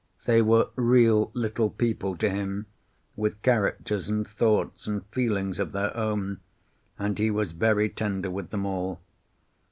They were real little people to him, with characters and thoughts and feelings of their own, and he was very tender with them all.